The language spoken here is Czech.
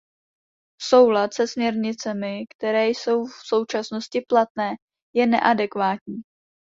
Soulad se směrnicemi, které jsou v současnosti platné, je neadekvátní.